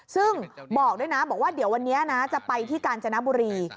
ซึ่งบอกด้วยนะบอกว่าเดี๋ยววันนี้นะจะไปที่กาญจนบุรี